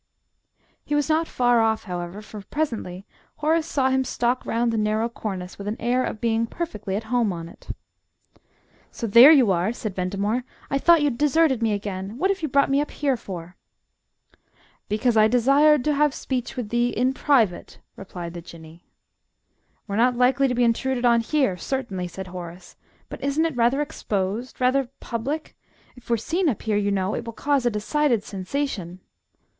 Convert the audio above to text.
He was not far off, however, for presently Horace saw him stalk round the narrow cornice with an air of being perfectly at home on it. "So there you are!" said Ventimore; "I thought you'd deserted me again. What have you brought me up here for?" "Because I desired to have speech with thee in private," replied the Jinnee. "We're not likely to be intruded on here, certainly," said Horace. "But isn't it rather exposed, rather public? If we're seen up here, you know, it will cause a decided sensation."